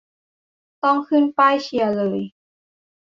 ต้องขึ้นป้ายเชียร์เลย